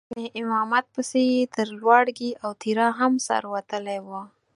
ګنې امامت پسې یې تر لواړګي او تیرا هم سر وتلی و.